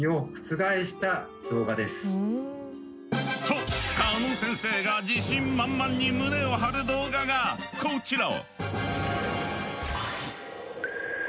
と鹿野先生が自信満々に胸を張る動画がこちら！